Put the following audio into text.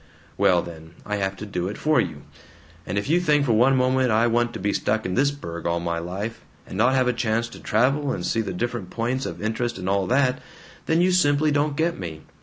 "Well then, I have to do it for you. And if you think for one moment I want to be stuck in this burg all my life, and not have a chance to travel and see the different points of interest and all that, then you simply don't get me.